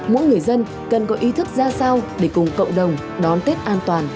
mỗi người dân cần có ý thức ra sao để cùng cộng đồng đón tết an toàn